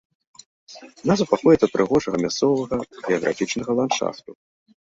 Назва паходзіць ад прыгожага мясцовага геаграфічнага ландшафту.